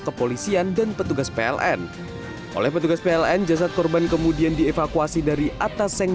kepolisian dan petugas pln oleh petugas pln jasad korban kemudian dievakuasi dari atas seng